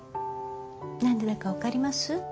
何でだか分かります？